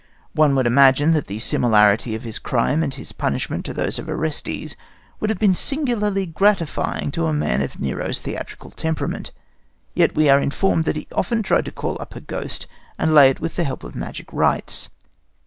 One would imagine that the similarity of his crime and his punishment to those of Orestes would have been singularly gratifying to a man of Nero's theatrical temperament; yet we are informed that he often tried to call up her ghost and lay it with the help of magic rites.